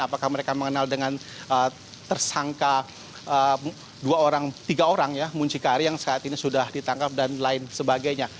apakah mereka mengenal dengan tersangka tiga orang ya muncikari yang saat ini sudah ditangkap dan lain sebagainya